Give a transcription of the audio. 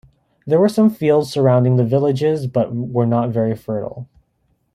There were some fields surrounding the villages, but were not very fertile.